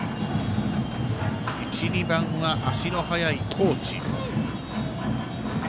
１、２番は足の速い高知。